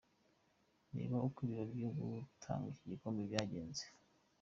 Reba uko ibirori byo gutanga iki gikombe byagenze:.